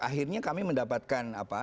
akhirnya kami mendapatkan apa